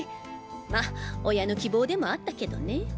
まぁ親の希望でもあったけどね。